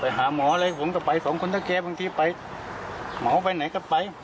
ไปหาหมอเลยผมก็ไปสองคนถ้าแกบางทีไปหมอไปไหนก็ไป